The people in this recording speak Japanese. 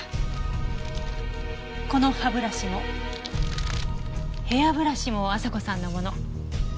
この歯ブラシもヘアブラシも亜沙子さんのもの。